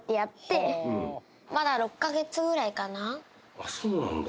あっそうなんだ。